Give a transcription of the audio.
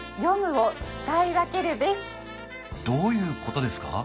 どういうことですか？